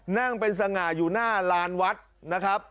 นั่งเป็นสาง่าอยู่หน้าลานวัสดิ์